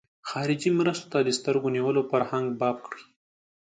خارجي مرستو ته د سترګو نیولو فرهنګ باب کړ.